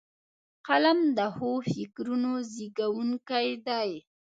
قلم د ښو فکرونو زیږوونکی دی